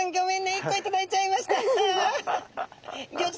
１個頂いちゃいました。